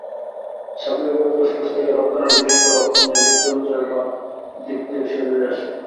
স্বাভাবিকভাবে ফুসফুস থেকে রক্তনালি বিশুদ্ধ রক্ত নিয়ে হৃদ্যন্ত্রের বাঁ দিক থেকে শরীরে আসে।